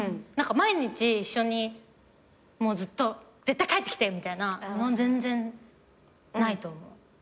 毎日一緒にもうずっと絶対帰ってきてみたいな全然ないと思う。